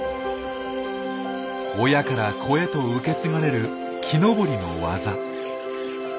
親から子へと受け継がれる木登りのワザ。